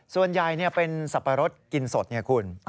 ส่วนใหญ่เป็นสับปะรดกินสดไงคุณ